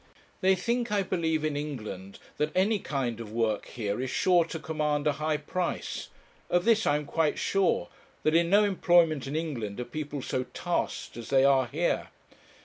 They think, I believe, in England, that any kind of work here is sure to command a high price; of this I am quite sure, that in no employment in England are people so tasked as they are here.